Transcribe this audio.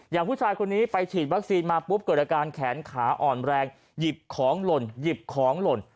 ผู้ชายคนนี้ไปฉีดวัคซีนมาปุ๊บเกิดอาการแขนขาอ่อนแรงหยิบของหล่นหยิบของหล่น